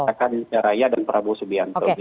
akan raya dan prabowo subianto